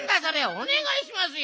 おねがいしますよ。